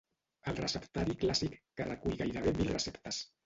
el receptari clàssic, que recull gairebé mil receptes